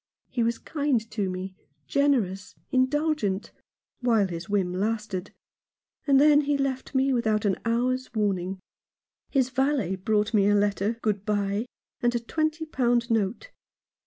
He was kind to me — generous, indulgent — while his whim lasted ; and then he left me without an hour's warning. His valet brought me a letter — good bye — and a twenty pound note.